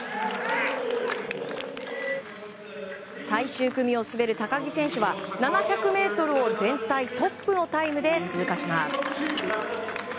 最終組を滑る高木選手は７００ｍを全体トップのタイムで通過します。